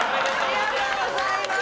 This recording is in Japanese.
ありがとうございます！